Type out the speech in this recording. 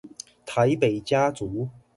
台北家族